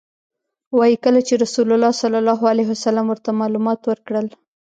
وایي کله چې رسول الله صلی الله علیه وسلم ورته معلومات ورکړل.